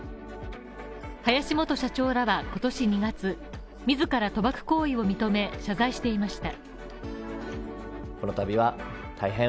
林元社長らは今年２月、自ら賭博行為を認め、謝罪していました。